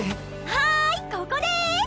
はいここです！